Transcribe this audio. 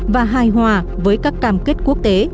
với các cam kết quốc tế